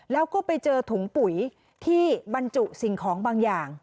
แล้วก็ไปเจอถุงปุ๋ยที่บรรจุสิ่งของบางอย่าง